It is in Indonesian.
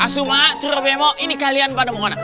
asuma turobemo ini kalian pada mau mana